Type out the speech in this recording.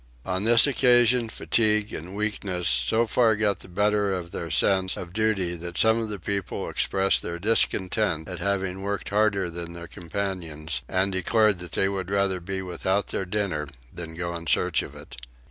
On this occasion fatigue and weakness so far got the better of their sense of duty that some of the people expressed their discontent at having worked harder than their companions, and declared that they would rather be without their dinner than go in search of it.